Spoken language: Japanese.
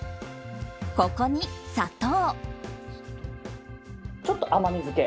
ここに砂糖。